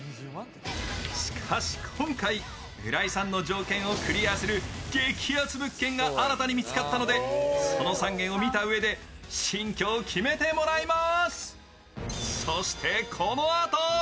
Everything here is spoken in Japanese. しかし、今回浦井さんの条件をクリアする激熱物件が新たに見つかったので、その３軒を見たうえで新居を決めてもらいます。